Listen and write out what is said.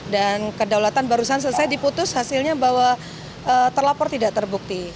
dan kedaulatan barusan selesai diputus hasilnya bahwa terlapor tidak terbukti